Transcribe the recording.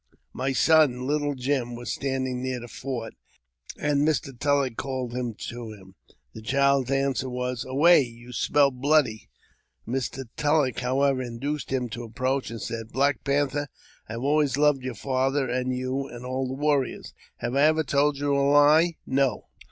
My son, ''little Jim," was standing near the fort, and Mr, Tulleck called him to him. The child's answer was, " Away ! you smell bloody !" Mr. Tulleck, however, induced him to approach, and said, " Black Panther, I have always loved your father, and you, and all the warriors. Have I ever told you a lie ?" "No."